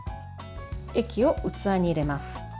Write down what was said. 液を器に入れます。